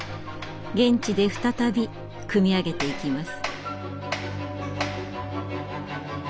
現地で再び組み上げていきます。